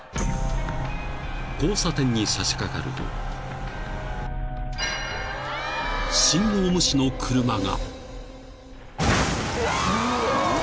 ［交差点に差し掛かると信号無視の車が］